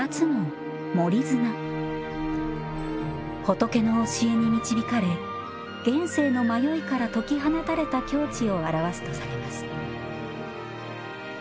仏の教えに導かれ現世の迷いから解き放たれた境地を表すとされます